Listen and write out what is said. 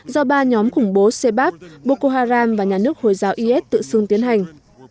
do ba nhóm khủng bố sebab boko haram và nhà nước hồi giáo is tự xưng tiến hành